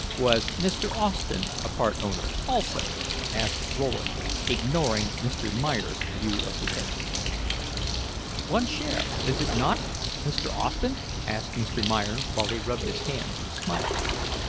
"Was Mr. Austen a part owner, also?" asked Rowland, ignoring Mr. Meyer's view of the case. "One share, is it not, Mr. Austen?" asked Mr. Meyer, while he rubbed his hands and smiled.